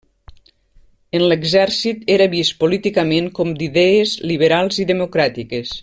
En l'exèrcit era vist políticament com d'idees liberals i democràtiques.